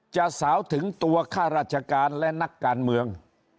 สาวถึงตัวข้าราชการและนักการเมือง